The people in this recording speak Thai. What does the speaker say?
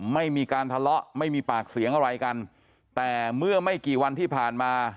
ไม่มีการทะเลาะไม่มีปากเสียงอะไรกันแต่เมื่อไม่กี่วันที่ผ่านมา